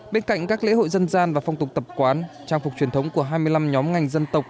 bên cạnh các lễ hội dân gian và phong tục tập quán trang phục truyền thống của hai mươi năm nhóm ngành dân tộc